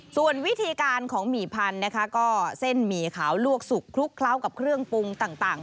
ส่วนวิธีการของหมี่พันธุ์นะคะก็เส้นหมี่ขาวลวกสุกคลุกเคล้ากับเครื่องปรุงต่าง